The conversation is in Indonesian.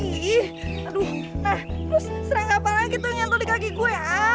nah terus serangga apaan lagi tuh yang nyantol di kaki gue